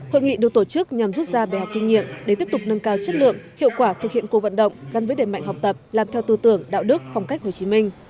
hội nghị được tổ chức nhằm rút ra bài học kinh nghiệm để tiếp tục nâng cao chất lượng hiệu quả thực hiện cuộc vận động gắn với đề mạnh học tập làm theo tư tưởng đạo đức phong cách hồ chí minh